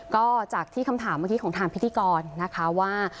ก็จากที่คำถามเมื่อกี้ของทางพิธีกรนะคะว่า